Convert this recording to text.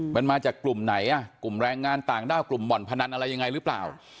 มันมาจากกลุ่มไหนอ่ะกลุ่มแรงงานต่างด้าวกลุ่มบ่อนพนันอะไรยังไงหรือเปล่า